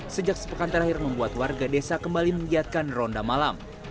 sejak sepekan terakhir membuat warga desa kembali menggiatkan ronda malam